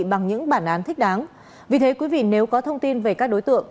bằng những bản án thích đáng vì thế quý vị nếu có thông tin về các đối tượng